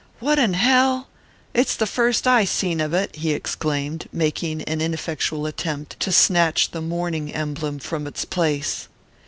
"What in hell...? It's the first I seen of it," he exclaimed, making an ineffectual attempt to snatch the mourning emblem from its place.